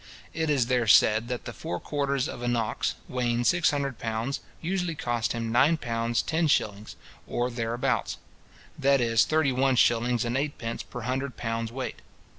It is there said, that the four quarters of an ox, weighing six hundred pounds, usually cost him nine pounds ten shillings, or thereabouts; that is thirty one shillings and eight pence per hundred pounds weight.